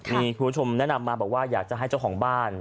มีคุณผู้ชมแนะนำมาบอกว่าอยากจะให้เจ้าของบ้าน